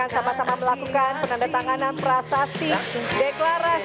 karena kita akan sama sama melakukan